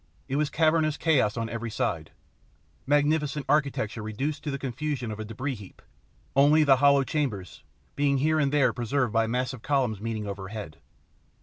It was cavernous chaos on every side: magnificent architecture reduced to the confusion of a debris heap, only the hollow chambers being here and there preserved by massive columns meeting overhead.